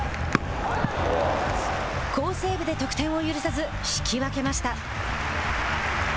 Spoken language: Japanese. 好セーブで得点を許さず引き分けました。